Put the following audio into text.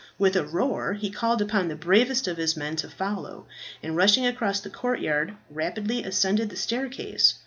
With a roar he called upon the bravest of his men to follow, and rushing across the courtyard, rapidly ascended the staircase.